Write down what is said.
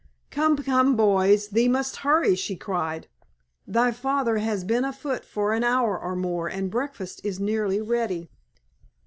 "Come, come, boys, thee must hurry," she cried. "Thy father has been afoot for an hour or more, and breakfast is nearly ready.